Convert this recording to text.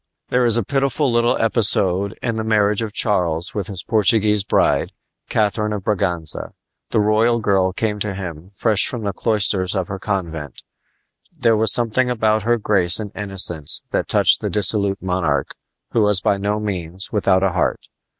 There is a pitiful little episode in the marriage of Charles with his Portuguese bride, Catharine of Braganza. The royal girl came to him fresh from the cloisters of her convent. There was something about her grace and innocence that touched the dissolute monarch, who was by no means without a heart.